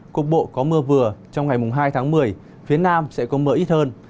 cục bộ có mưa vừa trong ngày hai tháng một mươi phía nam sẽ có mưa ít hơn